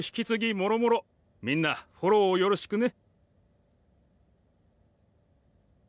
もろもろみんなフォローをよろしくね。